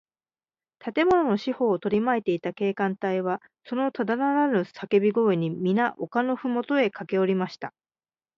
建物の四ほうをとりまいていた警官隊は、そのただならぬさけび声に、みな丘のふもとへかけおりました。